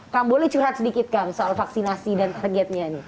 kamu boleh curhat sedikit kan soal vaksinasi dan targetnya